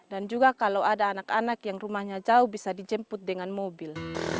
dan juga kalau ada anak anak yang rumahnya jauh bisa dijemput dengan mobil